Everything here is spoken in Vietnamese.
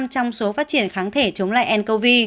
chín mươi sáu trong số phát triển kháng thể chống lại ncov